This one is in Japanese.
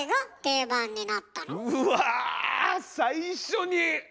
うわあ最初に。